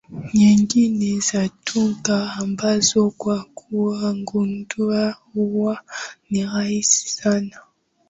nyingine za twiga ambazo kwa kuwa gundua huwa ni rahisi sana